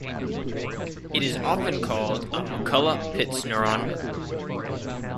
It is often called a McCulloch-Pitts neuron.